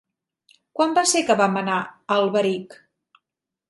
Quan va ser que vam anar a Alberic?